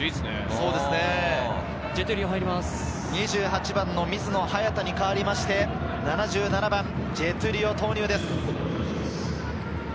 ２８番・水野颯太に代わって、７７番・ジェトゥリオ投入です。